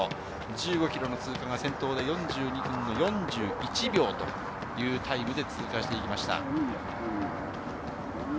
１５ｋｍの通過が先頭で４２分４１秒というタイムで通過していきました。